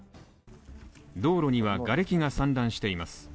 道路にはがれきが散乱しています。